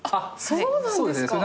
そうなんですか。